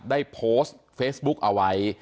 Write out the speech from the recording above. ได้โพสต์เฟซบุ๊กเอาไว้